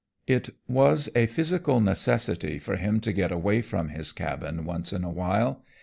It was a physical necessity for him to get away from his cabin once in a while.